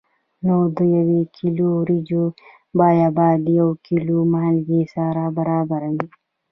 نو د یو کیلو وریجو بیه باید د یو کیلو مالګې سره برابره وي.